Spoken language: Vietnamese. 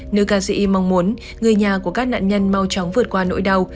nữ ca sĩ mong muốn người nhà của các nạn nhân mau chóng vượt qua nỗi đau